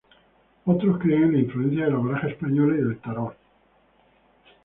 Otros creen en la influencia de la baraja española y del tarot.